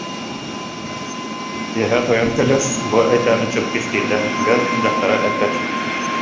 Киэһэ тойон кэлэр, бу айдааны чып кистииллэр, бэл, дьахтара эппэт